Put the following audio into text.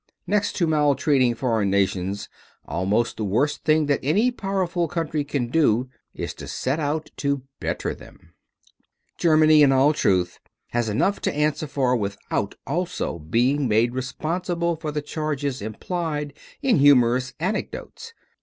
Next to maltreating foreign nations, almost the worst thing that any powerful country can do is to set out to better them. Germany, in all truth, has enough to answer for without also being made responsible for the charges implied in humorous anecdotes.